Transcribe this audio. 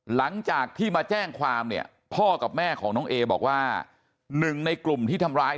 หลังจากที่มาแจ้งความเนี่ยพ่อกับแม่ของน้องเอบอกว่าหนึ่งในกลุ่มที่ทำร้าย